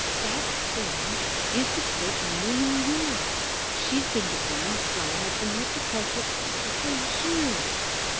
"That dame is the great Miriam Yore. She s been the grand slam at the Mettapolitan Op ra for years.